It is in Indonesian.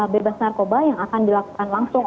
bebas narkoba yang akan dilakukan langsung